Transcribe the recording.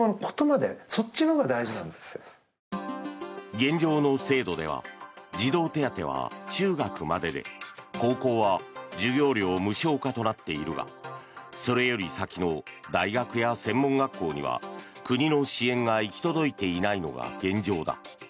現状の制度では児童手当は中学までで高校は授業料無償化となっているがそれより先の大学や専門学校には国の支援が行き届いていないのが現状だ。